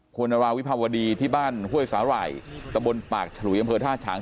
ควรราวิภาวดีที่บ้านห้วยสาหร่ายตะบนปากฉลุยอำเภอท่าฉาง